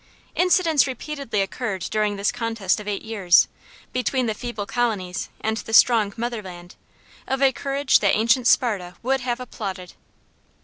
"Incidents repeatedly occurred during this contest of eight years, between the feeble colonies and the strong mother land, of a courage that ancient Sparta would have applauded.